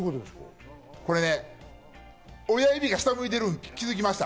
これね、親指が下を向いているのに気づきました？